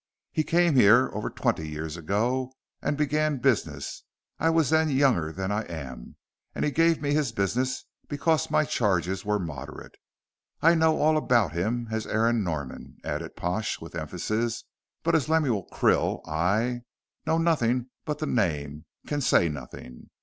He came here, over twenty years ago and began business. I was then younger than I am, and he gave me his business because my charges were moderate. I know all about him as Aaron Norman," added Pash, with emphasis, "but as Lemuel Krill I, knowing nothing but the name, can say nothing.